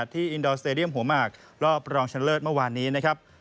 อินดอร์สเตดียมหัวหมากรอบรองชนะเลิศเมื่อวานนี้นะครับ